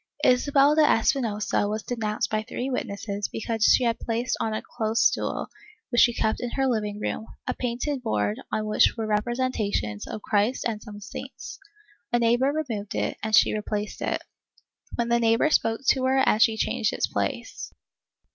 Isabel de Espinosa was denounced by three witnesses because she had placed on a close stool, which she kept in her living room, a painted board on which were representations of Christ and some saints. A neighbor removed it and she replaced it, when the neighbor spoke to her and she changed its place.